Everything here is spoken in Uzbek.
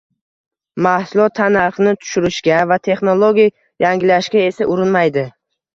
Mahsulot tannarxini tushirishga va texnologik yangilanishga esa urinmaydi.